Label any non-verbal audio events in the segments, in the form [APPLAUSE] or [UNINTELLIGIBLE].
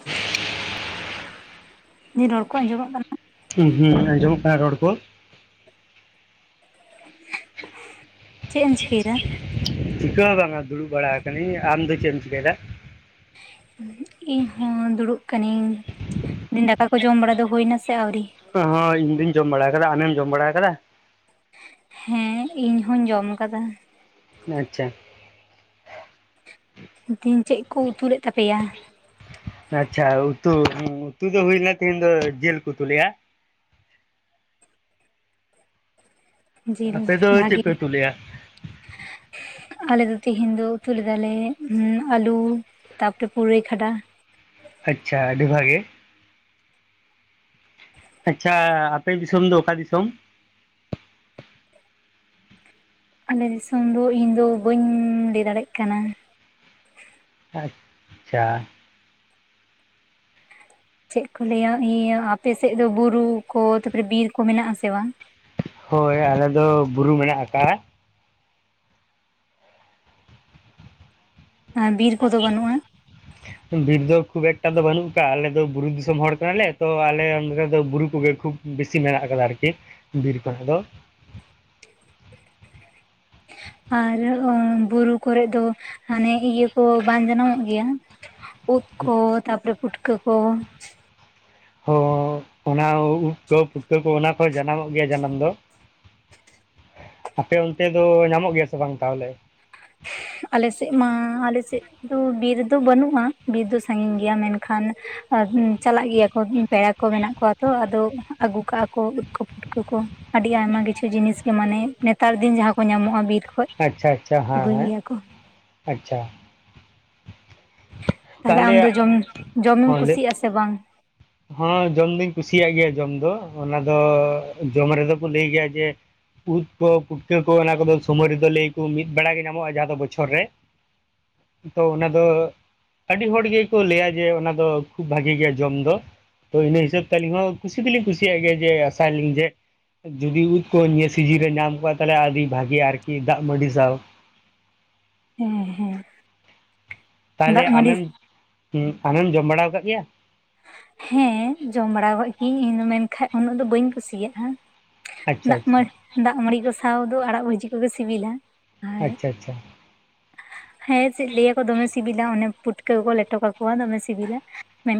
[INAUDIBLE] ᱤᱧᱟᱜ ᱨᱚᱲ ᱠᱚ ᱟᱸᱡᱚᱢᱚᱜ ᱠᱟᱱᱟ? ᱦᱩᱸ ᱦᱩᱸ ᱟᱸᱡᱚᱢᱚᱜ ᱠᱟᱱᱟ ᱨᱚᱲ ᱠᱚ ᱪᱮᱫ ᱮᱢ ᱪᱤᱠᱟᱹᱭᱮᱫᱟ? ᱪᱤᱠᱟᱹ ᱦᱚᱸ ᱵᱟᱝᱟ ᱫᱩᱲᱩᱵ ᱵᱟᱲᱟ ᱟᱠᱟᱱᱟᱹᱧ᱾ ᱟᱢ ᱫᱚ ᱪᱮᱫ ᱮᱢ ᱪᱤᱠᱟᱹᱭᱮᱫᱟ? ᱤᱧ ᱦᱚᱸ ᱫᱩᱲᱩᱵ ᱠᱟᱹᱱᱤᱧ᱾ ᱢᱮᱱ ᱫᱟᱠᱟ ᱠᱚ ᱡᱚᱢ ᱵᱟᱲᱟ ᱫᱚ ᱦᱩᱭᱱᱟ ᱥᱮ ᱟᱹᱣᱨᱤ? ᱤᱧ ᱫᱩᱧ ᱡᱚᱢ ᱵᱟᱲᱟ ᱟᱠᱟᱫᱟ ᱟᱢᱮᱢ ᱡᱚᱢ ᱵᱟᱲᱟ ᱟᱠᱟᱫᱟ? ᱦᱮᱸ ᱤᱧ ᱦᱚᱧ ᱡᱚᱢ ᱟᱠᱟᱫᱟ᱾ ᱟᱪᱪᱷᱟ ᱾ ᱛᱮᱦᱮᱧ ᱪᱮᱫ ᱠᱚ ᱩᱛᱩ ᱞᱮᱫ ᱛᱟᱯᱮᱭᱟ? ᱟᱪᱪᱷᱟ ᱩᱛᱩ ᱩᱛᱩ ᱫᱚ ᱦᱩᱭᱱᱟ ᱛᱮᱦᱮᱧ ᱫᱚ ᱡᱤᱞ ᱠᱚ ᱩᱛᱩ ᱞᱮᱜᱼᱟ᱾ ᱡᱤᱞ ᱟᱯᱮ ᱫᱚ ᱪᱮᱫ ᱵᱷᱟᱜᱤ ᱯᱮ ᱩᱛᱩ ᱞᱮᱜᱼᱟ? ᱟᱞᱮ ᱫᱚ ᱛᱤᱦᱤᱧ ᱫᱚ ᱩᱛᱩ ᱞᱮᱫᱟᱞᱮ ᱟᱞᱩ ᱛᱟᱯᱚᱨᱮ ᱯᱩᱨᱟᱹᱭ ᱠᱷᱟᱰᱟ ᱟᱪᱪᱷᱟ ᱟᱹᱰᱤ ᱵᱷᱟᱜᱮ ᱟᱪᱪᱷᱟ ᱟᱯᱮ ᱫᱤᱥᱚᱢ ᱫᱚ ᱚᱠᱟ ᱫᱤᱥᱚᱢ ᱟᱞᱮ ᱫᱤᱥᱚᱢ ᱫᱚ ᱤᱧ ᱫᱚ ᱵᱟᱹᱧ ᱞᱟᱹᱭ ᱫᱟᱲᱮᱜ ᱠᱟᱱᱟ ᱟᱪ-ᱪᱷᱟ ᱪᱮᱫ ᱠᱚ ᱞᱟᱹᱭᱟ ᱤᱭᱟᱹ ᱟᱯᱮ ᱥᱮᱫ ᱫᱚ ᱵᱩᱨᱩ ᱠᱚ ᱛᱟᱯᱚᱨᱮ ᱵᱤᱨ ᱠᱚ ᱢᱮᱱᱟᱜ ᱟᱥᱮ ᱵᱟᱝ ᱦᱳᱭ ᱟᱞᱮ ᱫᱚ ᱵᱩᱨᱩ ᱢᱮᱱᱟᱜ ᱟᱠᱟᱜᱼᱟ ᱟᱨ ᱵᱤᱨ ᱠᱚᱫᱚ ᱵᱟᱹᱱᱩᱜᱼᱟ ᱵᱤᱨ ᱫᱚ ᱠᱷᱩᱵ ᱮᱠᱴᱟ ᱫᱚ ᱵᱟᱹᱱᱩᱜ ᱠᱟᱜ-ᱟ ᱟᱞᱮ ᱫᱚ ᱵᱩᱨᱩ ᱫᱤᱥᱚᱢ ᱦᱚᱲ ᱠᱟᱱᱟᱞᱮ ᱛᱚ ᱟᱞᱮ ᱚᱸᱰᱮ ᱫᱚ ᱵᱩᱨᱩ ᱠᱚᱜᱮ ᱠᱷᱩᱵᱽ ᱵᱤᱥᱤ ᱱᱟᱜ ᱟᱠᱟᱫᱟ ᱟᱨᱠᱤ ᱵᱤᱨ ᱠᱷᱚᱱᱟᱜ ᱫᱚ ᱟᱨ ᱚᱢ ᱵᱩᱨᱩ ᱠᱚᱨᱮ ᱫᱚ ᱦᱟᱱᱮ ᱤᱭᱟᱹ ᱠᱚ ᱵᱟᱝ ᱡᱟᱱᱟᱢᱚᱜ ᱜᱮᱭᱟ ᱩᱫ ᱠᱚ ᱛᱟᱯᱚᱨᱮ ᱯᱩᱴᱠᱟᱹ ᱠᱚ ᱦᱚ ᱚᱱᱟ ᱩᱵ ᱠᱚ ᱯᱩᱴᱠᱟᱹ ᱠᱚ ᱚᱱᱟ ᱠᱚᱦᱚᱸ ᱡᱟᱱᱟᱢᱚᱜ ᱜᱮᱭᱟ ᱡᱟᱱᱟᱢ ᱫᱚ ᱟᱯᱮ ᱚᱱᱛᱮ ᱫᱚ ᱧᱟᱢᱚᱜ ᱜᱮᱭᱟ ᱥᱮ ᱵᱟᱝ ᱛᱟᱦᱚᱞᱮ ᱟᱞᱮ ᱥᱮᱫ ᱢᱟ ᱟᱞᱮ ᱥᱮᱫ ᱫᱚ ᱵᱤᱨ ᱫᱚ ᱵᱟᱹᱱᱩᱜᱼᱟ ᱵᱤᱨ ᱫᱚ ᱥᱟᱺᱜᱤᱧ ᱜᱮᱭᱟ ᱢᱮᱱᱠᱷᱟᱱ ᱪᱟᱞᱟᱜ ᱜᱮᱭᱟ ᱠᱚ ᱯᱮᱲᱟ ᱠᱚ ᱢᱮᱱᱟᱜ ᱠᱚᱣᱟ ᱛᱚ ᱟᱫᱚ ᱟ. ᱜᱩ ᱠᱟᱜᱼᱟ ᱠᱚ ᱩᱫ ᱠᱚ ᱯᱩᱴᱠᱟᱹ ᱠᱚ ᱟᱹᱰᱤ ᱟᱭᱢᱟ ᱠᱤᱪᱷᱩ ᱡᱤᱱᱤᱥ ᱜᱮ ᱢᱟᱱᱮ ᱱᱮᱛᱟᱨ ᱫᱤᱱ ᱡᱟᱦᱟᱸ ᱠᱚ ᱧᱟᱢᱚᱜᱼᱟ ᱵᱤᱨ ᱠᱷᱚᱡ ᱟᱪᱪᱷᱟ ᱟᱪᱪᱷᱟ ᱦᱮᱸ ᱟᱹᱜᱩᱭ ᱦᱮᱸ [INAUDIBLE] ᱟᱪᱪᱷᱟ ᱛᱟᱦᱞᱮ ᱛᱟᱦᱚᱞᱮ ᱟᱢ ᱫᱚ ᱡᱚᱢ ᱡᱚᱢᱮᱢ ᱦᱚᱸ ᱞᱟᱹᱭ ᱠᱩᱥᱤᱭᱟᱜᱼᱟ ᱥᱮ ᱵᱟᱝ ᱦᱚᱸ ᱡᱚᱢ ᱫᱩᱧ ᱠᱩᱥᱤᱭᱟᱜ ᱜᱮᱭᱟ ᱡᱚᱢ ᱫᱚ ᱚᱱᱟ ᱫᱚ ᱡᱚᱢ ᱨᱮᱫᱚ ᱠᱚ ᱞᱟᱹᱭ ᱜᱮᱭᱟ ᱡᱮ ᱩᱫ ᱠᱚ ᱯᱩᱴᱠᱟᱹ ᱠᱚ ᱚᱱᱟ ᱠᱚᱫᱚ ᱥᱚᱢᱚᱭ ᱨᱮᱫᱚ ᱞᱟᱹᱭᱟᱠᱚ ᱢᱤᱫ ᱵᱮᱲᱟ ᱜᱮ ᱧᱟᱢᱚᱜ-ᱟ ᱡᱟᱦᱟᱸ ᱫᱚ ᱵᱚᱪᱷᱚᱨ ᱨᱮ᱾ ᱛᱚ ᱚᱱᱟ ᱫᱚ, ᱟᱹᱰᱤ ᱦᱚᱲ ᱜᱮᱠᱚ ᱞᱟᱹᱭᱟ ᱡᱮ ᱚᱱᱟ ᱫᱚ ᱠᱷᱩᱵ ᱵᱷᱟᱜᱮ ᱜᱮᱭᱟ ᱡᱚᱢ ᱫᱚ᱾ ᱛᱚ ᱤᱱᱟᱹ ᱦᱤᱥᱟᱹᱵ ᱛᱮ ᱟᱹᱞᱤᱧ ᱦᱚᱸ ᱠᱩᱥᱤ ᱫᱚᱞᱤᱧ ᱠᱩᱥᱤᱭᱟᱜ ᱜᱮᱭᱟ ᱡᱮ ᱟᱥᱟᱭᱞᱤᱧ ᱡᱮ ᱡᱩᱫᱤ ᱩᱫ ᱠᱚ ᱱᱤᱭᱟᱹ ᱥᱤᱡᱤᱱ ᱨᱮ ᱧᱟᱢ ᱠᱚᱣᱟ ᱛᱟᱦᱚᱞᱮ ᱟᱹᱰᱤ ᱵᱷᱟᱜᱤ ᱟᱨᱠᱤ ᱫᱟᱜ ᱢᱟᱹᱰᱤ ᱥᱟᱶ᱾ ᱦᱮᱸ ᱦᱮᱸ, ᱛᱟᱦᱚᱞᱮ ᱫᱟᱜ ᱢᱟᱹᱰᱤ ᱟᱢᱮᱢ ᱟᱢᱮᱢ ᱡᱚᱢ ᱵᱟᱲᱟ ᱟᱠᱟᱫ ᱜᱮᱭᱟ? ᱦᱮᱸ ᱡᱚᱢ ᱵᱟᱲᱟ ᱠᱟᱜ ᱜᱤᱭᱟᱹᱧ ᱤᱧ ᱫᱚ ᱢᱮᱱᱠᱟᱱ ᱩᱱᱟᱹᱜ ᱫᱚ ᱵᱟᱹᱧ ᱠᱩᱥᱤᱭᱟᱜᱼᱟ᱾ ᱟᱪᱪᱷᱟ ᱫᱟᱜ ᱟᱪᱪᱷᱟ ᱫᱟᱜ ᱢᱟᱹᱲᱤ ᱠᱚ ᱥᱟᱶ ᱫᱚ ᱟᱲᱟᱜ ᱵᱷᱟᱹᱡᱤ ᱠᱚᱜᱮ ᱥᱤᱵᱤᱞᱟ᱾ ᱟᱨ ᱟᱪᱪᱷᱟ ᱟᱪᱪᱷᱟ᱾ ᱦᱮᱸ ᱪᱮᱫ ᱞᱟᱹᱭᱟᱠᱚ ᱫᱚᱢᱮ ᱥᱤᱵᱤᱞᱟ ᱚᱱᱮ ᱯᱩᱴᱠᱟᱹ ᱠᱚ ᱞᱮᱴᱚ ᱠᱟᱠᱚᱣᱟ ᱫᱚᱢᱮ ᱥᱤᱵᱤᱞᱟ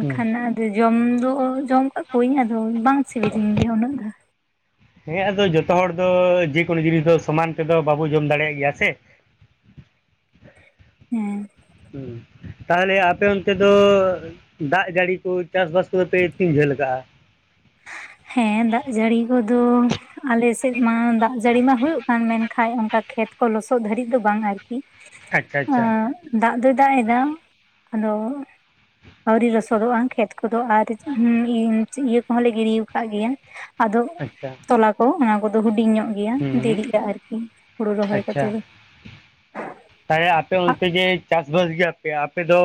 ᱦᱩᱸ ᱟᱫᱚ ᱡᱚᱢ ᱫᱚ᱾ ᱡᱚᱢ ᱟᱠᱟᱫ ᱠᱚᱣᱟᱹᱧ ᱟᱫᱚ ᱵᱟᱝ ᱥᱤᱵᱤᱞᱤᱧ ᱜᱮᱭᱟ ᱩᱱᱟᱹᱜ ᱫᱚ᱾ ᱦᱮᱸ ᱟᱫᱚ ᱡᱚᱛᱚ ᱦᱚᱲ ᱫᱚ ᱡᱮᱠᱳᱱᱳ ᱡᱤᱱᱤᱥ ᱫᱚ ᱥᱚᱢᱟᱱ ᱛᱮᱫᱚ ᱵᱟᱵᱚ ᱡᱚᱢ ᱫᱟᱲᱮᱭᱟᱜ ᱜᱮᱭᱟ ᱥᱮ᱾ ᱦᱮᱸ᱾ ᱦᱩ, ᱛᱟᱦᱚᱞᱮ ᱟᱯᱮ ᱚᱱᱛᱮ ᱫᱚ ᱫᱟᱜ ᱡᱟᱹᱲᱤ ᱠᱚ ᱪᱟᱥᱵᱟᱥ ᱠᱚᱫᱚ ᱯᱮ ᱛᱤᱱ ᱡᱷᱟᱹᱞ ᱠᱟᱜᱼᱟ᱾ ᱦᱮᱸ ᱫᱟᱜ ᱡᱟᱹᱲᱤ ᱠᱚᱫᱚ ᱟᱞᱮ ᱥᱮᱫ ᱢᱟ ᱫᱟᱜ ᱡᱟᱹᱲᱤ ᱢᱟ ᱦᱳᱭᱳᱜ ᱠᱟᱱ ᱢᱮᱱᱠᱷᱟᱱ ᱚᱱᱠᱟ ᱠᱷᱮᱛ ᱠᱚ ᱞᱚᱥᱚᱫ ᱫᱷᱟᱹᱨᱤᱡ ᱫᱚ ᱵᱟᱝ ᱟᱨᱠᱤ᱾ ᱟᱪᱪᱷᱟ ᱟᱪᱪᱷᱟ᱾ ᱫᱟᱜ ᱫᱚᱭ ᱫᱟᱜ ᱮᱫᱟ ᱟᱫᱚ, ᱟᱹᱣᱨᱤ ᱨᱚᱥᱚᱫᱚᱜᱼᱟ ᱠᱷᱮᱛ ᱠᱚᱫᱚ ᱟᱨ [UNINTELLIGIBLE] ᱤᱭᱟᱹ ᱦᱚᱞᱮ ᱜᱤᱰᱤ ᱟᱠᱟᱫ ᱜᱮᱭᱟ ᱟᱫᱚ ᱟᱪᱪᱷᱟ ᱛᱚᱞᱟ ᱠᱚ ᱚᱱᱟ ᱠᱚᱫᱚ ᱦᱩᱰᱤᱧ ᱧᱚᱜ ᱜᱮᱭᱟ ᱦᱩᱸ ᱫᱮᱨᱤᱜᱼᱟ ᱟᱨᱠᱤ ᱦᱩᱲᱩ ᱨᱚᱦᱚᱭ ᱟᱪᱪᱷᱟ ᱠᱟᱛᱮᱮᱫ ᱫᱚ᱾ ᱛᱟᱦᱚᱞᱮ ᱟᱯᱮ ᱚᱱᱛᱮ ᱡᱮ ᱪᱟᱥᱵᱟᱥ ᱜᱮᱭᱟᱯᱮ ᱟᱯᱮ ᱫᱚ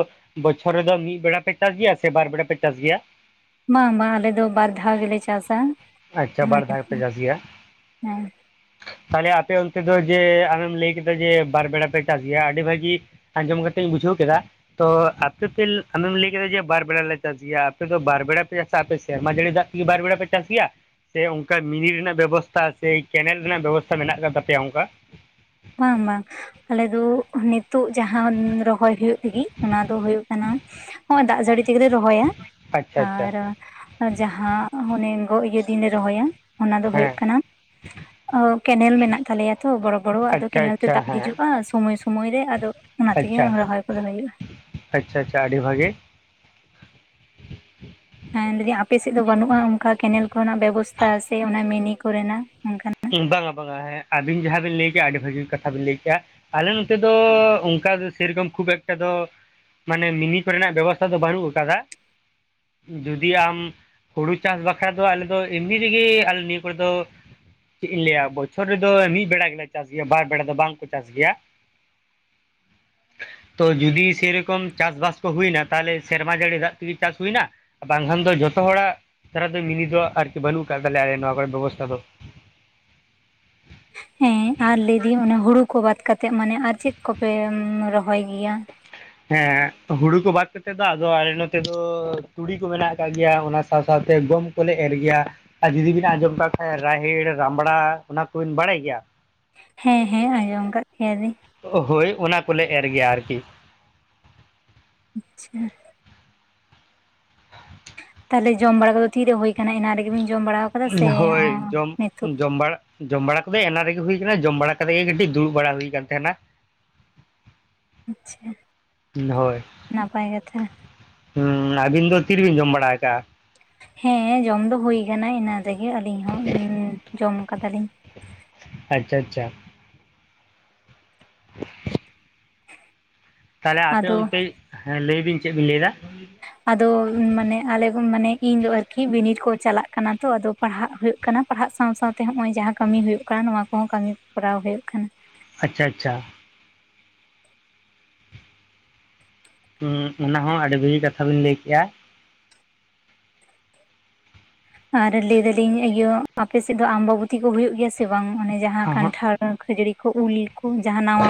ᱵᱚᱪᱷᱚᱨ ᱨᱮᱫᱚ ᱢᱤᱫ ᱵᱮᱲᱟ ᱯᱮ ᱪᱟᱥ ᱜᱮᱭᱟ ᱥᱮ ᱵᱟᱨ ᱵᱮᱲᱟ ᱯᱮ ᱪᱟᱥ ᱜᱮᱭᱟ᱾ ᱵᱟᱝ ᱵᱟᱝ ᱟᱞᱮ ᱫᱚ ᱵᱟᱨ ᱫᱷᱟᱣ ᱜᱮᱞᱮ ᱪᱟᱥᱟ᱾ ᱟᱪᱪᱷᱟ ᱵᱟᱨ ᱫᱷᱟᱣ ᱜᱮᱯᱮ ᱪᱟᱥ ᱜᱮᱭᱟ᱾ ᱛᱟᱦᱚᱞᱮ ᱟᱯᱮ ᱚᱱᱛᱮ ᱫᱚ ᱡᱮ ᱟᱢᱮᱢ ᱞᱟᱹᱭ ᱠᱮᱫᱟ ᱡᱮ ᱵᱟᱨ ᱵᱮᱲᱟ ᱯᱮ ᱪᱟᱥ ᱜᱮᱭᱟ, ᱟᱹᱰᱤ ᱵᱷᱟᱹᱜᱤ ᱟᱸᱡᱚᱢ ᱠᱟᱛᱮᱧ ᱵᱩᱡᱷᱟᱹᱣ ᱠᱮᱫᱟ ᱛᱚ ᱟᱯᱮ ᱯᱮ ᱟᱢᱮᱢ ᱞᱟᱹᱭ ᱠᱮᱫᱟ ᱡᱮ ᱵᱟᱨ ᱵᱮᱲᱟ ᱞᱮ ᱪᱟᱥ ᱜᱮᱭᱟ ᱟᱯᱮ ᱫᱚ ᱵᱟᱨ ᱵᱮᱲᱟ ᱯᱮ ᱪᱟᱥᱟ, ᱟᱯᱮ ᱥᱮᱨᱢᱟ ᱡᱟᱹᱲᱤ ᱫᱟᱜ ᱵᱟᱨᱵᱮᱲᱟ ᱯᱮ ᱪᱟᱥ ᱜᱮᱭᱟ᱾ ᱥᱮ ᱚᱱᱠᱟ ᱢᱤᱱᱤ ᱨᱮᱱᱟᱜ ᱵᱮᱵᱚᱥᱛᱟ ᱥᱮ ᱠᱮᱱᱮᱞ ᱨᱮᱱᱟᱜ ᱵᱮᱵᱚᱥᱛᱟ ᱢᱮᱱᱟᱜ ᱟᱠᱟᱫ ᱛᱟᱯᱮᱭᱟ ᱚᱱᱠᱟ? ᱵᱟᱝ ᱵᱟᱝ ᱟᱞᱮ ᱫᱚ ᱱᱤᱛᱚᱜ ᱡᱟᱦᱟᱸ ᱨᱚᱦᱚᱭ ᱦᱳᱭᱳᱜ ᱞᱟᱜᱤᱫ ᱚᱱᱟ ᱫᱚ ᱦᱳᱭᱳᱜ ᱠᱟᱱᱟ ᱦᱚᱸ ᱫᱟᱜ ᱡᱟᱹᱲᱤ ᱛᱮᱜᱮᱞᱮ ᱨᱚᱦᱚᱭᱟ ᱟᱪᱪᱷᱟ ᱟᱪᱪᱷᱟ ᱟᱨ ᱡᱟᱦᱟᱸ ᱚᱱᱮ ᱜ ᱤᱭᱟᱹ ᱫᱤᱱᱮ ᱨᱚᱦᱚᱭᱟ ᱚᱱᱟ ᱫᱚ ᱦᱩᱭᱩᱜ ᱦᱮᱸ ᱠᱟᱱᱟ ᱠᱮᱱᱮᱞ ᱢᱮᱱᱟᱜ ᱛᱟᱞᱮᱭᱟ ᱛᱚ ᱵᱚᱲᱚ ᱵᱚᱲᱚ ᱟᱫᱚ ᱟᱪᱪᱷᱟ ᱠᱮᱱᱮᱞ ᱛᱮ ᱟᱪᱪᱷᱟ ᱫᱟᱜ ᱦᱮᱸ ᱦᱤᱡᱩᱜᱼᱟ᱾ ᱥᱳᱢᱳᱭ ᱥᱳᱢᱚᱭ ᱨᱮ ᱟᱫᱚ ᱚᱱᱟ ᱛᱮᱜᱮ ᱟᱪᱪᱷᱟ ᱨᱚᱦᱚᱭ ᱠᱚᱫᱚ ᱦᱩᱭᱩᱜᱼᱟ᱾ ᱟᱪᱪᱷᱟ ᱟᱪᱪᱷᱟ ᱟᱹᱰᱤ ᱵᱷᱟᱜᱮ᱾ ᱦᱮ ᱞᱟᱹᱭᱫᱟᱹᱧ ᱟᱯᱮ ᱥᱮᱫ ᱫᱚ ᱵᱟᱹᱱᱩᱜᱼᱟ ᱚᱱᱠᱟ ᱠᱮᱱᱮᱞ ᱠᱚᱨᱮᱱᱟᱜ ᱵᱮᱵᱚᱥᱛᱟ ᱥᱮ ᱚᱱᱟ ᱢᱤᱱᱤ ᱠᱚᱨᱮᱱᱟᱜ ᱚᱱᱠᱟᱱᱟᱜ᱾ ᱵᱟᱝᱟ ᱵᱟᱝᱟ ᱦᱮᱸ ᱟᱹᱵᱤᱱ ᱡᱟᱦᱟᱸ ᱵᱤᱱ ᱞᱟᱹᱭ ᱠᱮᱜᱼᱟ ᱟᱹᱰᱤ ᱵᱷᱟᱹᱜᱤ ᱠᱟᱛᱷᱟ ᱵᱤᱱ ᱞᱟᱹᱭ ᱠᱮᱜᱼᱟ᱾ ᱟᱞᱮ ᱱᱚᱛᱮ ᱫᱚ ᱚᱱᱠᱟ ᱫᱚ ᱥᱮᱨᱚᱠᱚᱢ ᱠᱷᱩᱵ ᱮᱠᱴᱟ ᱫᱚ ᱢᱟᱱᱮ ᱢᱤᱱᱤ ᱠᱚᱨᱮᱱᱟᱜ ᱵᱮᱵᱚᱥᱛᱷᱟ ᱫᱚ ᱵᱟᱹᱱᱩᱜ ᱟᱠᱟᱫᱟ᱾ ᱡᱩᱫᱤ ᱟᱢ ᱦᱩᱲᱩ ᱪᱟᱥ ᱵᱟᱠᱷᱨᱟ ᱫᱚ ᱟᱞᱮ ᱫᱚ ᱮᱢᱱᱤ ᱨᱮᱜᱮ ᱟᱞᱮ ᱱᱤᱭᱟᱹ ᱠᱚᱨᱮ ᱫᱚ, ᱪᱮᱫ ᱤᱧ ᱞᱟᱹᱭᱟ ᱵᱚᱪᱷᱚᱨ ᱨᱮᱫᱚ ᱢᱤᱫ ᱵᱮᱲᱟ ᱜᱮᱞᱮ ᱪᱟᱥ ᱜᱮᱭᱟ ᱵᱟᱨ ᱵᱮᱲᱟ ᱫᱚ ᱵᱟᱝᱠᱚ ᱪᱟᱥ ᱜᱮᱭᱟ᱾ [UNINTELLIGIBLE] ᱛᱚ ᱡᱩᱫᱤ ᱥᱮᱨᱚᱠᱚᱢ ᱪᱟᱥᱵᱟᱥ ᱠᱚ ᱦᱩᱭᱱᱟ ᱛᱟᱦᱞᱮ ᱥᱮᱨᱢᱟ ᱡᱟᱹᱲᱤ ᱫᱟᱜ ᱛᱮᱜᱮ ᱪᱟᱥ ᱦᱩᱭᱱᱟ᱾ ᱵᱟᱝᱠᱷᱟᱱ ᱫᱚ ᱡᱚᱛᱚ ᱦᱚᱲᱟᱜ ᱫᱷᱟᱨᱟ ᱫᱚ ᱢᱤᱱᱤᱫᱚ ᱟᱨᱠᱤ ᱵᱟᱹᱱᱩᱜ ᱟᱠᱟᱫ ᱛᱟᱞᱮᱭᱟ ᱟᱞᱮ ᱱᱚᱣᱟ ᱠᱚᱨᱮ ᱵᱮᱵᱚᱥᱛᱷᱟ ᱫᱚ᱾ ᱦᱮᱸ ᱟᱨ ᱞᱟᱹᱭ ᱫᱤᱧ ᱚᱱᱮ ᱦᱩᱲᱩ ᱠᱚ ᱵᱟᱫ ᱠᱟᱛᱮᱜ ᱢᱟᱱᱮ ᱟᱨ ᱪᱮᱫ ᱠᱚᱯᱮ ᱨᱚᱦᱚᱭ ᱜᱮᱭᱟ᱾ ᱦᱮᱸ ᱦᱩᱲᱩ ᱠᱚ ᱵᱟᱫᱽ ᱠᱟᱛᱮ ᱫᱚ ᱟᱫᱚ ᱟᱞᱮ ᱱᱚᱛᱮ ᱫᱚ ᱛᱩᱲᱤ ᱠᱚ ᱢᱮᱱᱟᱜ ᱟᱠᱟᱫ ᱜᱮᱭᱟ ᱚᱱᱟ ᱥᱟᱶ ᱥᱟᱶᱛᱮ ᱜᱚᱢ ᱠᱚᱞᱮ ᱮᱨ ᱜᱮᱭᱟ ᱟᱨ ᱡᱩᱫᱤ ᱵᱤᱱ ᱟᱸᱡᱚᱢ ᱠᱟᱜ ᱠᱷᱟᱡ ᱨᱟᱦᱮᱲ ᱨᱟᱢᱲᱟ ᱚᱱᱟ ᱠᱚᱵᱤᱱ ᱵᱟᱲᱟᱭ ᱜᱮᱭᱟ ᱦᱮᱸ ᱦᱮᱸ ᱟᱸᱡᱚᱢ ᱠᱟᱫ ᱠᱮᱭᱟᱞᱤᱧ ᱦᱳᱭ ᱚᱱᱟ ᱠᱚᱞᱮ ᱮᱨ ᱜᱮᱭᱟ ᱟᱨᱠᱤ ᱟᱪᱪᱷᱟ ᱛᱟᱦᱚᱞᱮ ᱡᱚᱢ ᱵᱟᱲᱟ ᱠᱚᱫᱚ ᱛᱤᱨᱮ ᱦᱩᱭ ᱠᱟᱱᱟ ᱮᱱᱟᱱ ᱨᱤᱜᱤ ᱵᱤᱱ ᱡᱚᱢ ᱵᱟᱲᱟᱣ ᱦᱳᱭ ᱡᱚᱢ ᱡᱚᱢ ᱵᱟᱲᱟ ᱡᱚᱢ ᱵᱟᱲᱟ ᱠᱚᱫᱚ ᱮᱱᱟᱱ ᱨᱮᱜᱮ ᱦᱩᱭ ᱠᱟᱱᱟ ᱡᱚᱢ ᱵᱟᱲᱟ ᱠᱟᱛᱮ ᱜᱮ ᱠᱟᱹᱴᱤᱡ ᱫᱩᱲᱩᱵ ᱵᱟᱲᱟ ᱦᱩᱭ ᱠᱟᱱ ᱛᱟᱦᱮᱱᱟ ᱟᱪᱪᱷᱟ ᱦᱳᱭ ᱱᱟᱯᱟᱭ ᱠᱟᱛᱷᱟ ᱦᱩᱸ ᱟᱹᱵᱤᱱ ᱫᱚ ᱛᱤᱨᱵᱤᱱ ᱡᱚᱢ ᱵᱟᱲᱟ ᱟᱠᱟᱜ-ᱟ ᱦᱮᱸ ᱡᱚᱢ ᱫᱚ ᱦᱩᱭ ᱠᱟᱱᱟ ᱮᱱᱟᱱ ᱨᱮᱜᱮ ᱟᱹᱞᱤᱧ ᱦᱚᱸ ᱡᱚᱢ ᱠᱟᱫᱟᱞᱤᱧ ᱟᱪᱪᱷᱟ ᱟᱪᱪᱷᱟ [INAUDIBLE] ᱛᱟᱦᱞᱮ ᱟᱯᱮ ᱟᱫᱚ ᱚᱱᱛᱮ ᱦᱮᱸ ᱞᱟᱹᱭ ᱵᱤᱱ ᱪᱮᱫ ᱵᱤᱱ ᱞᱟᱹᱭᱫᱟ ᱟᱫᱚ ᱢᱟᱱᱮ ᱟᱞᱮ ᱢᱟᱱᱮ ᱤᱧ ᱫᱚ ᱟᱨᱠᱤ ᱵᱤᱱᱤᱰ ᱠᱚ ᱪᱟᱞᱟᱜ ᱠᱟᱱᱟ ᱛᱚ ᱟᱫᱚ ᱯᱟᱲᱦᱟᱜ ᱦᱩᱭᱩᱜ ᱠᱟᱱᱟ ᱯᱟᱲᱦᱟᱜ ᱥᱟᱶ ᱥᱟᱶᱛᱮ ᱦᱚᱜ ᱚᱭ ᱡᱟᱦᱟᱸ ᱠᱟᱹᱢᱤ ᱦᱩᱭᱩᱜ ᱠᱟᱱᱟ ᱱᱚᱣᱟ ᱠᱚᱦᱚᱸ ᱠᱟᱹᱢᱤ ᱠᱚ ᱠᱚᱨᱟᱣ ᱦᱩᱭᱩᱜ ᱠᱟᱱᱟ ᱟᱪᱪᱷᱟ ᱟᱪᱪᱷᱟ ᱚᱱᱟ ᱦᱚᱸ ᱟᱹᱰᱤ ᱵᱷᱟᱹᱜᱤ ᱠᱟᱛᱷᱟ ᱵᱤᱱ ᱞᱟᱹᱭ ᱠᱮᱜᱼᱟ ᱟᱨ ᱞᱟᱹᱭ ᱫᱟᱞᱤᱧ ᱤᱭᱟᱹ ᱟᱯᱮᱥᱮᱫ ᱫᱚ ᱟᱢᱵᱟ ᱵᱚᱛᱤ ᱠᱚ ᱦᱩᱭᱩᱜ ᱜᱮᱭᱟ ᱥᱮ ᱵᱟᱝ ᱚᱱᱮ ᱡᱟᱦᱟᱸ ᱠᱟᱱᱴᱷᱟᱲ ᱠᱷᱟᱹᱡᱟᱹᱲᱤ ᱠᱚ ᱩᱞ ᱠᱚ ᱡᱟᱦᱟᱸ ᱱᱚᱣᱟ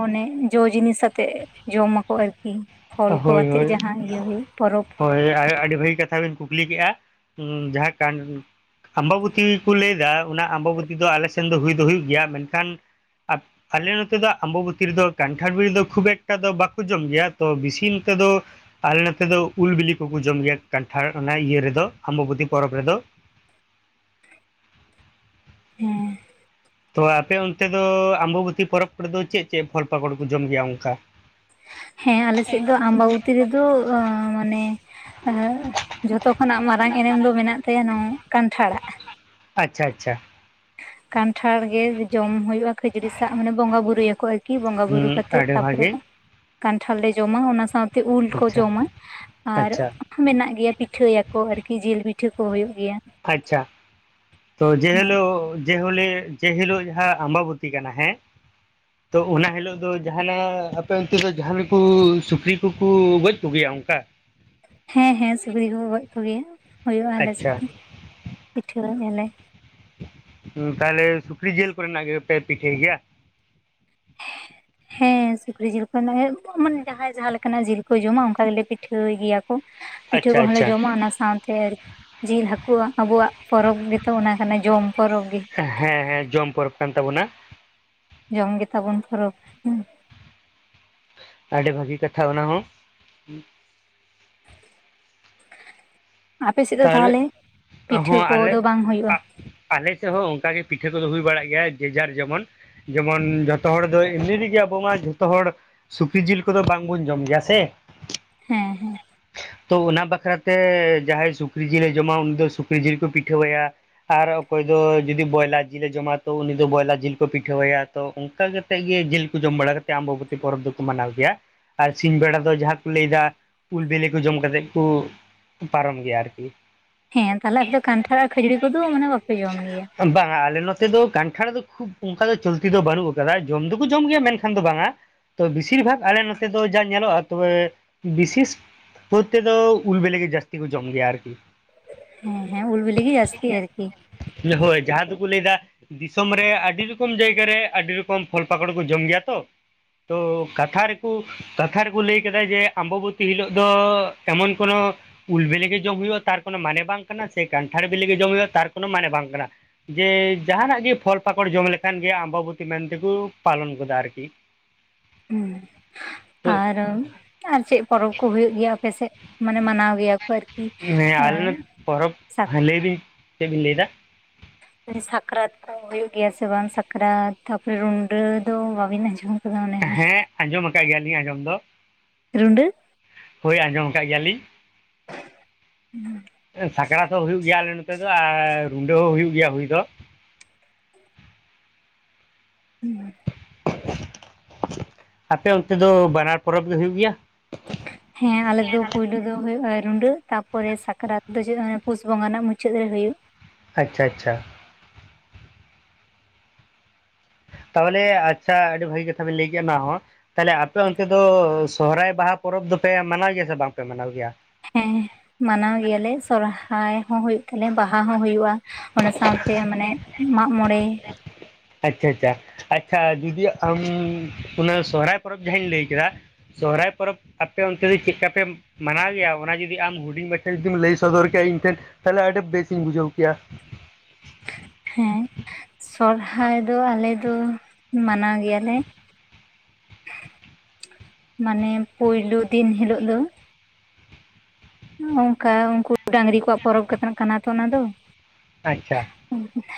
ᱢᱟᱱᱮ ᱡᱚ ᱡᱤᱱᱤᱥ ᱟᱛᱮᱫ ᱡᱚᱢᱟᱠᱚ ᱟᱨᱠᱤ ᱯᱷᱚᱞ ᱠᱚ ᱦᱳᱭ ᱟᱛᱮ ᱦᱳᱭ ᱡᱟᱦᱟᱸ ᱤᱭᱟᱹ ᱦᱩᱭᱩᱜ ᱯᱚᱨᱚᱵᱽ ᱦᱳᱭ ᱟᱹᱰᱤ ᱵᱷᱟᱹᱜᱤ ᱠᱟᱛᱷᱟ ᱵᱤᱱ ᱠᱩᱠᱞᱤ ᱠᱮᱫᱼᱟ ᱡᱟᱦᱟᱸ ᱠᱟᱱ ᱟᱢᱵᱟᱵᱩᱛᱤ ᱠᱩ ᱞᱟᱹᱭᱫᱟ ᱚᱱᱟ ᱟᱢᱵᱟᱵᱩᱛᱤ ᱫᱚ ᱟᱞᱮ ᱥᱮᱱ ᱫᱚ ᱦᱩᱭ ᱫᱚ ᱦᱩᱭᱩᱜ ᱜᱮᱭᱟ ᱢᱮᱱᱠᱷᱟᱱ ᱟᱞᱮ ᱱᱚᱛᱮ ᱫᱚ ᱟᱢᱵᱟᱵᱛᱤ ᱨᱮᱫᱚ ᱠᱟᱱᱴᱷᱟᱲ ᱵᱤᱞᱤ ᱫᱚ ᱠᱷᱩᱵ ᱮᱠᱴᱟ ᱫᱚ ᱵᱟᱠᱚ ᱡᱚᱢ ᱜᱮᱭᱟ ᱛᱚ ᱵᱤᱥᱤ ᱱᱚᱛᱮ ᱫᱚ ᱟᱞᱮ ᱱᱚᱛᱮ ᱫᱚ ᱩᱞ ᱵᱤᱞᱤ ᱠᱚᱠᱚ ᱡᱚᱢ ᱜᱮᱭᱟ ᱠᱟᱱᱴᱷᱟᱲ ᱚᱱᱟ ᱤᱭᱟᱹ ᱨᱮᱫᱚ ᱟᱢᱵᱟᱵᱚᱛᱤ ᱯᱚᱨᱚᱵᱽ ᱨᱮᱫᱚ ᱦᱮᱸ ᱛᱚ ᱟᱯᱮ ᱚᱱᱛᱮ ᱫᱚ ᱟᱢᱵᱚᱵᱛᱤ ᱯᱚᱨᱚᱵᱽ ᱠᱚᱨᱮ ᱫᱚ ᱪᱮᱫ ᱪᱮᱫ ᱯᱷᱚᱞ ᱯᱟᱠᱚᱲ ᱠᱚ ᱡᱚᱢ ᱜᱮᱭᱟ ᱚᱝᱠᱟ ᱦᱮᱸ ᱟᱞᱮᱥᱮᱫ ᱫᱚ ᱟᱢᱵᱟᱵᱚᱛᱤ ᱨᱮᱫᱚ ᱢᱟᱱᱮ, ᱡᱷᱚᱛᱚ ᱠᱷᱚᱱᱟᱜ ᱢᱟᱨᱟᱝ ᱮᱱᱮᱢ ᱫᱚ ᱢᱮᱱᱟᱜ ᱛᱟᱭᱟ, ᱱᱚ ᱠᱟᱱᱴᱷᱟᱲᱟᱜ᱾ ᱟᱪᱪᱷᱟ ᱟᱪᱪᱷᱟ᱾ ᱠᱟᱱᱴᱷᱟᱲ ᱜᱮ ᱡᱚᱢ ᱦᱩᱭᱩᱜᱼᱟ ᱾ ᱠᱷᱟᱹᱡᱟᱹᱲᱤ ᱥᱟᱜᱽ ᱢᱟᱱᱮ ᱵᱚᱸᱜᱟ ᱵᱩᱨᱩᱭᱟᱠᱚ ᱟᱨᱠᱤ ᱵᱚᱸᱜᱟᱼ ᱦᱩᱸ ᱵᱩᱨᱩ ᱠᱟᱛᱮᱜ ᱟᱹᱰᱤ ᱛᱟᱨᱯᱚᱨᱮ, ᱵᱷᱟᱜᱮ ᱠᱟᱱᱴᱷᱟᱲ ᱞᱮ ᱡᱚᱢᱟ, ᱚᱱᱟ ᱥᱟᱸᱶᱛᱮ ᱩᱞ ᱠᱚ ᱟᱪᱪᱷᱟ ᱡᱚᱢᱟ ᱟᱨ, ᱟᱪᱪᱷᱟ ᱢᱮᱱᱟᱜ ᱜᱮᱭᱟ ᱯᱤᱴᱷᱟᱹᱭᱟᱠᱚ ᱟᱨᱠᱤ ᱡᱤᱞ ᱯᱤᱴᱷᱟᱹ ᱠᱚ ᱦᱩᱭᱩᱜ ᱜᱮᱭᱟ᱾ ᱟᱪᱪᱷᱟ ᱛᱚ ᱡᱮ ᱦᱮᱸ ᱦᱮᱞᱳᱜ, ᱡᱮᱦᱳᱞᱮ ᱡᱮ ᱦᱤᱞᱳᱜ ᱡᱟᱦᱟᱸ ᱟᱢᱵᱟᱵᱚᱛᱤ ᱠᱟᱱᱟ ᱦᱮᱸ, ᱛᱚ ᱚᱱᱟ ᱦᱤᱞᱳᱜ ᱫᱚ ᱡᱟᱦᱟᱱᱟᱜ ᱟᱯᱮ ᱚᱱᱛᱮ ᱫᱚ ᱡᱟᱦᱱᱟᱜ ᱠᱚ ᱥᱩᱠᱨᱤ ᱠᱚᱠᱚ ᱜᱚᱡ ᱠᱚᱜᱮᱭᱟ ᱚᱱᱠᱟ᱾ ᱦᱮᱸ ᱦᱮᱸ ᱥᱩᱠᱨᱤ ᱠᱚᱠᱚ ᱜᱚᱡ ᱠᱚᱜᱮᱭᱟ ᱦᱩᱭᱩᱜᱼᱟ ᱟᱞᱮ ᱥᱮᱫ ᱟᱪᱪᱷᱟ ᱦᱚᱸ ᱯᱤᱴᱷᱟᱹ ᱟᱞᱮ᱾ ᱛᱟᱦᱚᱞᱮ ᱥᱩᱠᱨᱤ ᱡᱤᱞ ᱠᱚᱨᱮᱱᱟᱜ ᱜᱮᱯᱮ ᱯᱤᱴᱷᱟᱹᱭ ᱜᱮᱭᱟ? [INAUDIBLE] ᱦᱮᱸ ᱥᱩᱠᱨᱤ ᱡᱤᱞ ᱠᱚ ᱢᱟᱱᱮ ᱡᱟᱦᱟᱸᱭ ᱡᱟᱦᱟᱸ ᱞᱮᱠᱟᱱᱟᱜ ᱡᱤᱞ ᱠᱚ ᱡᱚᱢᱟ ᱚᱱᱠᱟ ᱫᱚᱞᱮ ᱯᱤᱴᱷᱟᱹᱭ ᱜᱮᱭᱟ᱾ ᱯᱤᱴᱷᱟᱹ ᱟᱪᱪᱷᱟ ᱠᱚᱦᱚᱸᱞᱮ ᱟᱪᱪᱷᱟ ᱡᱚᱢᱟ ᱚᱱᱟ ᱥᱟᱸᱶᱛᱮ, ᱡᱤᱞ ᱦᱟᱹᱠᱩᱣᱟᱜ ᱟᱵᱚᱣᱟᱜ ᱯᱚᱨᱚᱵᱽ ᱜᱮᱛᱚ ᱚᱱᱟ ᱠᱟᱱᱟ ᱡᱚᱢ ᱯᱚᱨᱚᱵᱽ ᱜᱮ ᱦᱮᱸ ᱦᱮᱸ ᱡᱚᱢ ᱯᱚᱨᱚᱵᱽ ᱠᱟᱱ ᱛᱟᱵᱚᱱᱟ᱾ ᱡᱚᱢ ᱜᱮᱛᱟᱵᱚᱱ ᱯᱚᱨᱟ ᱦᱮᱸ᱾ ᱟᱹᱰᱤ ᱵᱷᱟᱹᱜᱤ ᱠᱟᱛᱷᱟ ᱚᱱᱟ ᱦᱚᱸ᱾ ᱟᱯᱮ ᱥᱮᱫ ᱫᱚ ᱛᱟᱦᱚᱞᱮ ᱯᱤᱴᱷᱟᱹ ᱦᱚᱸ ᱟᱞᱮ, ᱠᱚᱫᱚ ᱵᱟᱝ ᱦᱩᱭᱩᱜᱼᱟ ᱟᱞᱮ ᱥᱮᱫ ᱦᱚᱸ ᱚᱱᱠᱟᱜᱮ ᱯᱤᱴᱷᱟᱹ ᱠᱚᱫᱚ ᱦᱩᱭ ᱵᱟᱲᱟᱜ ᱜᱮᱭᱟ ᱡᱮᱡᱟᱨ ᱡᱮᱢᱚᱱ᱾ ᱡᱮᱢᱚᱱ ᱡᱚᱛᱚ ᱦᱚᱲ ᱫᱚ ᱮᱢᱱᱤ [UNINTELLIGIBLE] ᱨᱮᱜᱮ ᱟᱵᱚ ᱢᱟ ᱡᱷᱚᱛᱚ ᱦᱚᱲ᱾ ᱥᱩᱠᱨᱤ ᱡᱤᱞ ᱠᱚᱫᱚ ᱵᱟᱝᱵᱚᱱ ᱡᱚᱢ ᱜᱮᱭᱟ ᱥᱮ᱾ ᱦᱮᱸ ᱦᱮᱸ ᱛᱚ ᱚᱱᱟ ᱵᱟᱠᱷᱨᱟᱛᱮ ᱡᱟᱦᱟᱸᱭ ᱥᱩᱠ ᱥᱩᱠᱨᱤ ᱡᱤᱞᱮ ᱡᱚᱢᱟ ᱩᱱᱤ ᱫᱚ ᱥᱩᱠᱨᱤ ᱡᱤᱞ ᱠᱚ ᱯᱤᱴᱷᱟᱹᱭᱟ᱾ ᱟᱨ ᱚᱠᱚᱭ ᱫᱚ ᱡᱩᱫᱤ ᱵᱚᱭᱞᱟᱨ ᱡᱤᱞᱮ ᱡᱚᱢᱟ ᱛᱚ ᱩᱱᱤ ᱫᱚ ᱵᱚᱭᱞᱟᱨ ᱡᱤᱞ ᱠᱚ ᱯᱤᱴᱷᱟᱹᱟᱭᱟ᱾ ᱛᱚ ᱚᱱᱠᱟ ᱠᱟ ᱠᱟᱛᱮ ᱜᱮ ᱡᱤᱞ ᱠᱚ ᱡᱚᱢ ᱵᱟᱲᱟ ᱠᱟᱛᱮ ᱟᱢᱵᱚᱵᱚᱛᱤ ᱯᱚᱨᱚᱵᱽ ᱫᱚᱠᱚ ᱢᱟᱱᱟᱣ ᱜᱮᱭᱟ ᱟᱨ ᱥᱤᱧ ᱵᱮᱲᱟ ᱫᱚ ᱡᱟᱦᱟᱸ ᱠᱚ ᱞᱟᱹᱭᱫᱟ ᱩᱞ ᱵᱤᱞᱤ ᱠᱚ ᱡᱚᱢ ᱠᱟᱛᱮ ᱠᱚ ᱯᱟᱨᱚᱢ ᱜᱮᱭᱟ ᱟᱨᱠᱤ᱾ [INAUDIBLE] ᱦᱮᱸ ᱛᱟᱦᱚᱞᱮ ᱟᱯᱮᱫᱚ ᱠᱟᱱᱴᱷᱟᱲ ᱟᱨ ᱠᱷᱟᱹᱡᱟᱹᱲᱤ ᱠᱚᱫᱚ ᱢᱟᱱᱮ ᱵᱟᱯᱮ ᱡᱚᱢ ᱜᱮᱭᱟ᱾ ᱵᱟᱝᱟ ᱟᱞᱮ ᱱᱚᱛᱮ ᱫᱚ ᱠᱟᱱᱴᱷᱟᱲ ᱫᱚ ᱠᱷᱩᱵ ᱚᱱᱠᱟ ᱫᱚ ᱪᱚᱞᱛᱤ ᱫᱚ ᱵᱟᱹᱱᱩᱜ ᱠᱟᱫᱟ ᱡᱚᱢ ᱫᱚᱠᱚ ᱡᱚᱢ ᱜᱮᱭᱟ ᱢᱮᱱᱠᱷᱟᱱ ᱫᱚ ᱵᱟᱝᱟ, ᱛᱳ ᱵᱮᱥᱤᱨ ᱵᱷᱟᱜ ᱟᱞᱮ ᱱᱚᱛᱮ ᱫᱚ ᱡᱟ ᱧᱮᱞᱚᱜᱼᱟ ᱛᱚᱵᱮ ᱵᱤᱥᱮᱥ, ᱯᱨᱚ [UNINTELLIGIBLE] ᱛᱮ ᱫᱚ ᱩᱞ ᱵᱤᱞᱤ ᱜᱮ ᱡᱟᱹᱥᱛᱤ ᱠᱚ ᱡᱚᱢ ᱜᱮᱭᱟ ᱟᱨᱠᱤ᱾ ᱦᱮᱸ ᱦᱮᱸ ᱩᱞ ᱵᱤᱞᱤ ᱜᱮ ᱡᱟᱹᱥᱛᱤ ᱟᱨᱠᱤ᱾ ᱦᱳᱭ ᱡᱟᱦᱟᱸ ᱫᱚᱠᱚ ᱞᱟᱹᱭᱫᱟ, ᱫᱤᱥᱚᱢ ᱨᱮ ᱟᱹᱰᱤ ᱨᱚᱠᱚᱢ ᱡᱟᱭᱜᱟ ᱨᱮ ᱟᱹᱰᱤ ᱨᱚᱠᱚᱢ ᱯᱷᱚᱞ ᱯᱟᱠᱚᱲ ᱠᱚ ᱡᱚᱢ ᱜᱮᱭᱟ ᱛᱚ᱾ ᱛᱚ ᱠᱟᱛᱷᱟ ᱨᱮᱠᱚ, ᱠᱟᱛᱷᱟ ᱨᱮᱠᱚ ᱞᱟᱹᱭ ᱠᱮᱫᱟ ᱡᱮ ᱟᱢᱵᱟᱵᱚᱛᱤ ᱦᱤᱞᱳᱜ ᱫᱚ ᱮᱢᱚᱱ ᱠᱚᱱᱳ ᱩᱞ ᱵᱤᱞᱤ ᱜᱮ ᱡᱚᱢ ᱦᱩᱭᱩᱜᱼᱟ᱾ ᱛᱟᱨ ᱠᱳᱱᱳ ᱢᱟᱱᱮ ᱵᱟᱝ ᱠᱟᱱᱟ ᱥᱮ ᱠᱟᱱᱴᱷᱟᱲ ᱵᱤᱞᱤ ᱜᱮ ᱡᱚᱢ ᱦᱩᱭᱩᱜᱼᱟ ᱛᱟᱨ ᱠᱳᱱᱳ ᱢᱟᱱᱮ ᱵᱟᱝ ᱠᱟᱱᱟ᱾ ᱡᱮ ᱡᱟᱦᱟᱱᱟᱜ ᱜᱮ ᱯᱷᱚᱞ ᱯᱟᱠᱚᱲ ᱡᱚᱢ ᱞᱮᱠᱷᱟᱱ ᱜᱮ ᱟᱢᱵᱟᱵᱚᱛᱤ ᱢᱮᱱᱛᱮ ᱠᱚ ᱯᱟᱞᱚᱱ ᱜᱚᱫᱟ ᱟᱨᱠᱤ᱾ [INAUDIBLE] ᱦᱩᱸ, ᱛᱚ ᱟᱨ, ᱟᱨ ᱪᱮᱫ ᱯᱚᱨᱚᱵᱽ ᱠᱚ ᱦᱩᱭᱩᱜ ᱜᱮᱭᱟ ᱟᱯᱮᱥᱮᱫ ᱢᱟᱱᱮ ᱢᱟᱱᱟᱣ ᱜᱮᱭᱟ ᱠᱚ ᱟᱨᱠᱤ ᱦᱮᱸ ᱟᱞᱮ ᱯᱚᱨᱚᱵᱽ ᱞᱟᱹᱭᱫᱤᱧ ᱪᱮᱫᱵᱤᱱ ᱞᱟᱹᱭᱫᱟ᱾ ᱥᱟᱠᱨᱟᱛ ᱠᱚ ᱦᱩᱭᱩᱜ ᱜᱮᱭᱟ ᱥᱮ ᱵᱟᱝ ᱥᱟᱠᱨᱟᱛ ᱛᱟᱯᱚᱨᱮ ᱨᱩᱸᱰᱟᱹ ᱫᱚ ᱵᱟᱵᱤᱱ ᱟᱸᱡᱚᱢ, ᱠᱟᱫᱟ ᱚᱱᱮ ᱦᱮᱸ ᱟᱸᱡᱚᱢ ᱟᱠᱟᱫ ᱜᱮᱭᱟᱞᱤᱧ ᱟᱸᱡᱚᱢ ᱫᱚ, ᱨᱩᱰᱟᱹ ᱦᱳᱭ ᱟᱸᱡᱚᱢ ᱟᱠᱟᱫ ᱜᱮᱭᱟᱞᱤᱧ᱾ ᱦᱩᱸ, [UNINTELLIGIBLE] ᱥᱟᱠᱨᱟᱛ ᱦᱚᱸ ᱦᱩᱭᱩᱜ ᱜᱮᱭᱟ ᱟᱞᱮ ᱱᱚᱛᱮ ᱫᱚ ᱟᱨ ᱨᱩᱰᱟᱹ ᱦᱚᱸ ᱦᱩᱭᱩᱜ ᱜᱮᱭᱟ ᱦᱩᱭ ᱫᱚ᱾ ᱦᱩᱸ, ᱟᱯᱮ ᱚᱱᱛᱮ ᱫᱚ ᱵᱟᱱᱟᱨ ᱯᱚᱨᱚᱵᱽ ᱫᱚ ᱦᱩᱭᱩᱜ ᱜᱮᱭᱟ᱾ ᱦᱮᱸ ᱟᱞᱮᱫᱚ ᱯᱩᱭᱞᱳ ᱫᱚ ᱦᱩᱭᱩᱜᱼᱟ ᱨᱩᱸᱰᱟᱹᱜ, ᱛᱟᱯᱚᱨᱮ ᱥᱟᱠᱨᱟᱛ ᱫᱚ ᱪᱮᱫ ᱯᱩᱥ ᱵᱚᱸᱜᱟ ᱨᱮᱱᱟᱜ ᱢᱩᱪᱟᱹᱫ ᱨᱮ ᱦᱳᱭᱳᱜ᱾ ᱟᱪᱪᱷᱟ ᱟᱪᱪᱷᱟ ᱾ ᱛᱟᱦᱚᱞᱮ ᱟᱪᱪᱷᱟ ᱟᱹᱰᱤ ᱵᱷᱟᱹᱜᱤ ᱠᱟᱛᱷᱟ ᱵᱮᱱ ᱞᱟᱹᱭ ᱠᱮᱫᱼᱟ ᱚᱱᱟ ᱦᱚᱸ᱾ ᱛᱟᱦᱚᱞᱮ ᱟᱯᱮ ᱚᱱᱛᱮ ᱫᱚ, ᱥᱚᱦᱚᱨᱟᱭ ᱵᱟᱦᱟ ᱯᱚᱨᱚᱵᱽ ᱫᱚᱯᱮ ᱢᱟᱱᱟᱣ ᱜᱮᱭᱟ ᱥᱮ ᱵᱟᱝ ᱯᱮ ᱢᱟᱱᱟᱣ ᱜᱮᱭᱟ? ᱦᱮᱸ ᱢᱟᱱᱟᱣ ᱜᱮᱭᱟ ᱞᱮ ᱥᱚᱦᱟᱨᱟᱭ ᱦᱚᱸ ᱦᱩᱭᱩᱜ ᱛᱟᱞᱮ ᱵᱟᱦᱟ ᱦᱚᱸᱦᱩᱭᱩᱜᱼᱟ, ᱚᱱᱟ ᱥᱟᱶᱛᱮ ᱢᱟᱱᱮ ᱢᱟᱜᱽ ᱢᱚᱬᱮ ᱟᱪᱪᱷᱟ ᱟᱪᱪᱷᱟ ᱟᱪᱪᱷᱟ ᱾ ᱡᱩᱫᱤ ᱟᱢ ᱚᱱᱟ ᱥᱚᱦᱚᱨᱟᱭ ᱯᱚᱨᱚᱵᱽ ᱡᱟᱦᱟᱸᱧ ᱞᱟᱹᱭ ᱠᱮᱫᱟ ᱥᱚᱦᱚᱨᱟᱭ ᱯᱚᱨᱚᱵᱽ ᱟᱯᱮ ᱚᱱᱛᱮ ᱫᱚ ᱪᱮᱫ ᱞᱮᱠᱟ ᱯᱮ ᱢᱟᱱᱟᱣ ᱜᱮᱭᱟ? ᱚᱱᱟ ᱡᱩᱫᱤ ᱟᱢ ᱦᱩᱰᱤᱧ ᱵᱴᱷᱮᱱ ᱡᱩᱫᱤᱢ ᱞᱟᱹᱭ ᱥᱚᱫᱚᱨ ᱠᱮᱭᱟ ᱤᱧ ᱴᱷᱮᱱ ᱛᱟᱦᱚᱞᱮ ᱟᱹᱰᱤ ᱵᱮᱥᱤᱧ ᱵᱩᱡᱷᱟᱹᱣ ᱠᱮᱭᱟ᱾ ᱦᱮᱸ ᱥᱚᱨᱦᱟᱭ ᱫᱚ ᱟᱞᱮ ᱫᱚ ᱢᱟᱱᱟᱣ ᱜᱮᱭᱟ ᱞᱮ ᱢᱟᱱᱮ ᱯᱩᱭᱞᱩ ᱫᱤᱱ ᱦᱤᱞᱳᱜ ᱫᱚ ᱚᱱᱠᱟ ᱩᱱᱠᱩ ᱰᱟᱝᱨᱤ ᱠᱚᱣᱟᱜ ᱯᱚᱨᱚᱵᱽ ᱠᱟᱱᱟ ᱛᱚ ᱚᱱᱟ ᱫᱚ ᱟᱪᱪᱷᱟ ᱾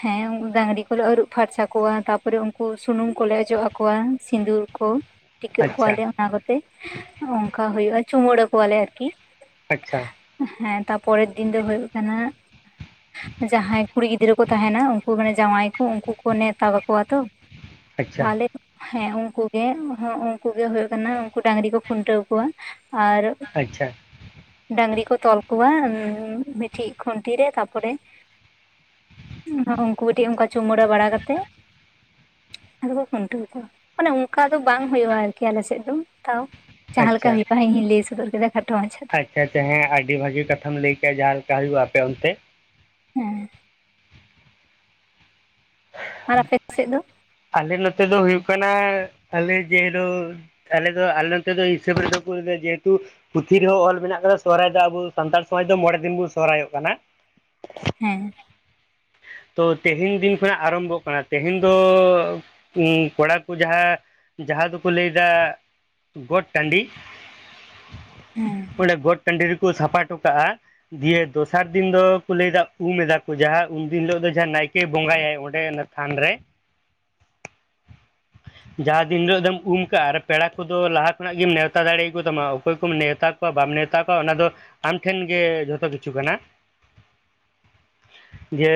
ᱦᱮᱸ ᱰᱟᱝᱨᱤ ᱠᱚᱞᱮ ᱟᱹᱨᱩᱵ ᱯᱷᱟᱨᱪᱟ ᱠᱚᱣᱟ, ᱛᱟᱯᱚᱨᱮ ᱩᱱᱠᱩ ᱥᱩᱱᱩᱢ ᱠᱚᱞᱮ ᱚᱡᱚᱜ ᱟᱠᱚᱣᱟ ᱥᱤᱸᱫᱩᱨ ᱠᱚ ᱴᱤᱠᱟᱹᱜ ᱠᱚᱣᱟ ᱟᱪᱪᱷᱟ ᱞᱮ ᱚᱱᱟ ᱠᱚᱛᱮ ᱚᱱᱠᱟ ᱦᱩᱭᱩᱜᱼᱟ, ᱪᱩᱢᱟᱹᱲᱟ ᱠᱚᱣᱟ ᱞᱮ ᱟᱨᱠᱤ ᱟᱪᱪᱷᱟ ᱾ ᱦᱮᱸ ᱛᱟᱯᱚᱨᱮᱨ ᱫᱤᱱ ᱫᱚ ᱦᱩᱭᱩᱜ ᱠᱟᱱᱟ ᱡᱟᱦᱟᱸᱭ ᱠᱩᱲᱤ ᱜᱤᱫᱽᱨᱟᱹ ᱠᱚ ᱛᱟᱦᱮᱱᱟ ᱩᱱᱠᱩ ᱡᱟᱶᱟᱭ ᱠᱚ ᱩᱱᱠᱩ ᱠᱚ ᱱᱮᱶᱛᱟ ᱠᱟᱠᱚ ᱣᱟ ᱛᱚ, ᱟᱪᱪᱷᱟ ᱛᱟᱦᱮᱞᱮ ᱦᱮᱸ ᱩᱱᱠᱩᱜᱮ ᱩᱱᱠᱩᱜᱮ ᱦᱳ ᱦᱩᱭᱩᱜ ᱠᱟᱱᱟ, ᱩᱱᱠᱩ ᱰᱟᱹᱝᱨᱤ ᱠᱚ ᱠᱷᱩᱱᱴᱟᱹᱣ ᱠᱚᱣᱟ ᱟᱨ ᱟᱪᱪᱷᱟ ᱾ ᱰᱟᱝᱨᱤ ᱠᱚ ᱛᱚᱞ ᱠᱚᱣᱟ ᱢᱤᱫᱴᱤᱡ ᱠᱷᱩᱱᱴᱤ ᱨᱮ ᱛᱟᱨᱯᱚᱨᱮ ᱩᱱᱠᱩ ᱢᱤᱫᱴᱮᱱ ᱚᱱᱠᱟ ᱪᱩᱢᱟᱲᱟ ᱵᱟᱲᱟ ᱠᱟᱛᱮᱜ ᱟᱫᱚ ᱠᱚ ᱠᱷᱩᱱᱴᱟᱹᱣ ᱠᱚᱣᱟ᱾ ᱢᱟᱱᱮ ᱚᱱᱠᱟ ᱫᱚ ᱵᱟᱝ ᱦᱩᱭᱩᱜᱼᱟ ᱟᱨᱠᱤ ᱟᱞ ᱥᱮᱫ ᱫᱚ ᱛᱟᱣ ᱡᱟᱦᱟᱸ ᱞᱮᱠᱟ ᱟᱪᱪᱷᱟ ᱦᱩᱭᱩᱜᱼᱟ, ᱤᱧ ᱦᱩᱭ ᱞᱟᱹᱭ ᱥᱚᱫᱚᱨ ᱠᱮᱫᱟ ᱠᱷᱟᱴᱚ ᱢᱟᱪᱷᱟ ᱦᱮᱸ ᱥᱮ ᱦᱮᱸ ᱟᱹᱰᱤ ᱵᱷᱟᱹᱜᱤ ᱠᱟᱛᱷᱟᱢ ᱞᱟᱹᱭ ᱠᱮᱜᱼᱟ, ᱡᱟᱦᱟᱸ ᱞᱮᱠᱟ ᱦᱩᱭᱩᱜᱼᱟ ᱟᱯᱮ ᱚᱱᱛᱮ ᱦᱮᱸ ᱟᱨ ᱟᱯᱮ ᱥᱮᱫ ᱫᱚ? ᱟᱞᱮ ᱱᱚᱛᱮ ᱫᱚ ᱦᱩᱭᱩᱜ ᱠᱟᱱᱟ, ᱟᱞᱮ ᱡᱮᱞᱳ ᱟᱞᱮ ᱫᱚ ᱟᱞᱮ ᱱᱚᱛᱮ ᱫᱚ ᱦᱤᱥᱟᱹᱵ ᱨᱮᱫᱚ ᱠᱚ ᱡᱮᱦᱮᱛᱩ ᱯᱩᱛᱷᱤ ᱨᱮᱦᱚᱸ ᱚᱞ ᱢᱮᱱᱟᱜ ᱠᱟᱫᱟ ᱥᱚᱦᱚᱨᱟᱭ ᱫᱚ ᱟᱵᱚ ᱥᱟᱱᱛᱟᱲ ᱥᱚᱢᱟᱡᱽ ᱫᱚ ᱢᱚᱬᱮ ᱫᱤᱱ ᱵᱚᱱ ᱥᱚᱦᱚᱨᱟᱭ ᱚᱜ ᱠᱟᱱᱟ᱾ ᱦᱮᱸ᱾ ᱛᱚ ᱛᱮᱦᱮᱧ ᱫᱤᱱ ᱟᱨᱟᱢᱵᱷᱚᱜ ᱠᱟᱱᱟ, ᱛᱮᱦᱮᱧ ᱫᱚ ᱠᱚᱲᱟ ᱠᱚ ᱡᱟᱦᱟᱸ ᱡᱟᱦᱟᱸ ᱫᱚᱠᱚ ᱞᱟᱹᱭ ᱫᱟ ᱜᱚᱴ ᱴᱟᱺᱰᱤ ᱦᱮᱸ ᱚᱸᱰᱮ ᱜᱚᱴ ᱴᱟᱺᱰᱤ ᱨᱮᱠᱚ ᱥᱟᱯᱷᱟ ᱴᱚᱠᱟᱜᱼᱟ ᱫᱤᱭᱮ ᱫᱚᱥᱟᱨ ᱫᱤᱱ ᱫᱚᱠᱚ ᱞᱟᱹᱭᱫᱟ ᱩᱢ ᱮᱫᱟ ᱠᱚ ᱡᱟᱦᱟᱸ ᱩᱱ ᱫᱤᱱ ᱦᱤᱞᱳᱜ ᱫᱚ ᱡᱟᱦᱟᱸ ᱱᱟᱭᱠᱮ ᱵᱚᱸᱜᱟᱭ ᱚᱸᱰᱮ ᱛᱷᱟᱱ ᱨᱮ [INAUDIBLE] ᱡᱟᱦᱟᱸ ᱫᱤᱱ ᱦᱤᱞᱳᱜ ᱫᱚᱢ ᱩᱢ ᱠᱟᱜᱼᱟ, ᱟᱨ ᱯᱮᱲᱟ ᱠᱚᱫᱚ ᱞᱟᱦᱟ ᱠᱷᱚᱱᱟᱜ ᱜᱮᱢ ᱱᱮᱣᱛᱟ ᱫᱟᱲᱮᱭᱟᱠᱚ ᱛᱟᱢᱟ ᱚᱠᱚᱭ ᱠᱚᱢ ᱱᱮᱣᱛᱟ ᱵᱟᱢ ᱱᱮᱣᱛᱟ ᱠᱚᱣᱟ ᱚᱱᱟ ᱫᱚ ᱟᱢ ᱴᱷᱮᱱ ᱜᱮ ᱡᱷᱚᱛᱚ ᱠᱤᱪᱷᱩ ᱠᱟᱱᱟ᱾ [INAUDIBLE] ᱤᱭᱟᱹ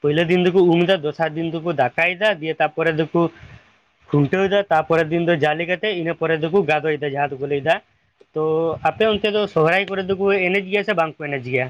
ᱯᱚᱭᱞᱟ ᱫᱤᱱ ᱫᱚ ᱩᱢ ᱫᱟ, ᱫᱚᱥᱟᱨ ᱫᱤᱱ ᱫᱚᱵᱚ ᱫᱟᱠᱟᱭ ᱫᱟ ᱫᱤᱭᱮ ᱛᱟᱯᱚᱨᱮ ᱫᱚᱠᱩ ᱠᱷᱩᱱᱴᱟᱹᱣ ᱫᱟ, ᱛᱟᱨᱯᱚᱨᱮ ᱫᱤᱱ ᱫᱚ ᱡᱟᱞᱮ ᱠᱟᱛᱮ ᱤᱱᱟᱹ ᱯᱚᱨᱮ ᱫᱚᱠᱚ ᱜᱟᱫᱚᱭ ᱫᱟ ᱡᱟᱦᱟᱸ ᱫᱚᱠᱚ ᱞᱟᱹᱭ ᱫᱟ ᱛᱚ ᱟᱯᱮ ᱚᱱᱛᱮ ᱫᱚ ᱥᱚᱦᱨᱟᱭ ᱠᱚᱨᱮ ᱫᱚᱠᱚ ᱮᱱᱮᱡ ᱜᱮᱭᱟ ᱥᱮ ᱵᱟᱝᱠᱚ ᱮᱱᱮᱡ ᱜᱮᱭᱟ?